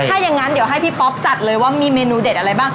ถ้าอย่างนั้นเดี๋ยวให้พี่ป๊อปจัดเลยว่ามีเมนูเด็ดอะไรบ้าง